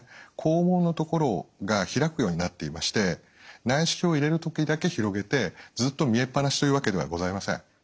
肛門の所が開くようになっていまして内視鏡を入れる時だけ広げてずっと見えっぱなしというわけではございません。